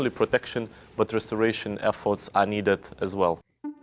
tapi juga perjuangan perjalanan perjalanan juga diperlukan